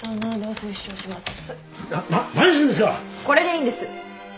これでいいんです。